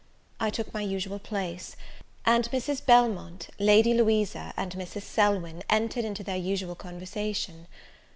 I took my usual place, and Mrs. Belmont, Lady Louisa, and Mrs. Selwyn, entered into their usual conversation.